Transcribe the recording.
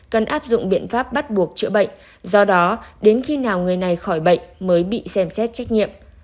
cần áp dụng biện pháp bắt buộc chữa bệnh do đó đến khi nào người này khỏi bệnh mới bị xem xét trách nhiệm